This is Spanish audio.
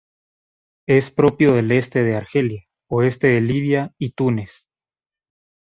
Es propio del este de Argelia, oeste de Libia y Túnez.